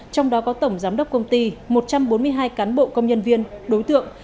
trong đó có tổng giám đốc công ty một trăm bốn mươi hai cán bộ công nhân viên đối tượng